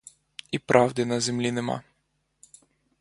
І правди на землі нема.